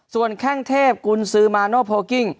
ส่วนแข้งเทพกุญซือมาโนโพลกิ้ง